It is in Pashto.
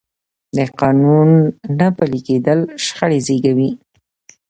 د قانون نه پلي کېدل شخړې زېږوي